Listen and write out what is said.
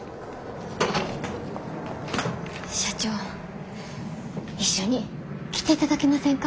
社長一緒に来ていただけませんか？